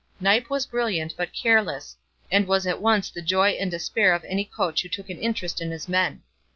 Knipe was brilliant but careless, and was at once the joy and despair of any coach who took an interest in his men.